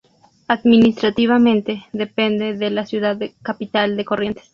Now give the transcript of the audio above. Administrativamente depende de la ciudad capital de Corrientes.